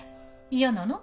嫌なの？